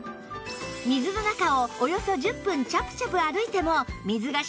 水の中をおよそ１０分チャプチャプ歩いても水がしみこまない